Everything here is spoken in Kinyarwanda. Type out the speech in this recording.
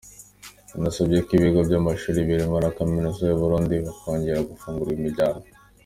Yanasabye ko ibigo by’amashuri birimo na Kaminuza y’u Burundi byakongera gufungura imiryango.